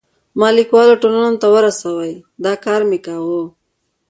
ما لیکوالو ټولنې ته ورسوی، دا کار مې کاوه.